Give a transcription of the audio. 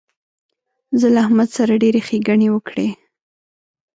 زه له احمد سره ډېرې ښېګڼې وکړې.